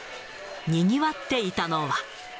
にぎわっていたのは。